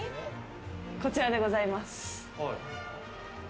こちらでございます。